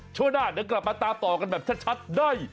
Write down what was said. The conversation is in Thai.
ช่วงหน้าเดี๋ยวกลับมาตามต่อกันแบบชัดได้